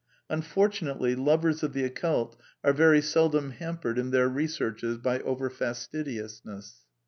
(Unfortunately, lovers of the occult are very seldom hampered in their researches / by over fastidiousness.)